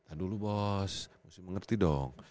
aduh lu bos mesti mengerti dong